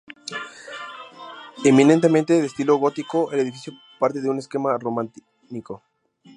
Eminentemente de estilo gótico, el edificio parte de un esquema románico.